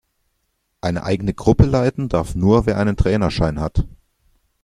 Eine eigene Gruppe leiten darf nur, wer einen Trainerschein hat.